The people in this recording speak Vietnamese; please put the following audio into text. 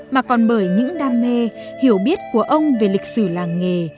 mà còn bởi những đam mê hiểu biết của ông về lịch sử làng nghề